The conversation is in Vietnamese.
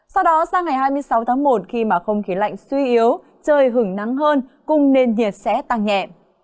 sau đó sang ngày hai mươi sáu tháng một khi mà không khí lạnh suy yếu trời hứng nắng hơn cùng nền nhiệt sẽ tăng nhẹ